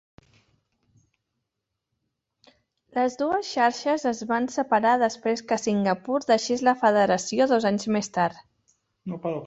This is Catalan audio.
Les dues xarxes es van separar després que Singapur deixés la federació dos anys més tard.